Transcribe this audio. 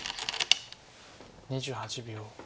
２８秒。